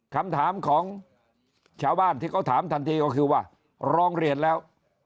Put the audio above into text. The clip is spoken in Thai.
คำถามของชาวบ้านที่เขาถามทันทีก็คือว่าร้องเรียนแล้ว